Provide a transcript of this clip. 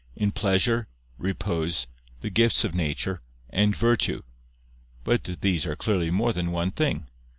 "in pleasure, repose, the gifts of nature, and virtue." But these are clearly more than one thing.